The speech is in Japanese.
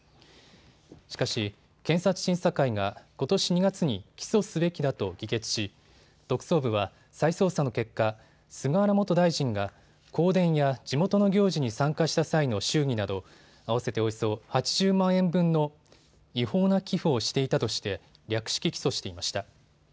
しかし、検察審査会がことし２月に起訴すべきだと議決し特捜部は再捜査の結果、菅原元大臣が香典や地元の行事に参加した際の祝儀など合わせておよそ８０万円分の違法な寄付をしていたとして略式起訴していました。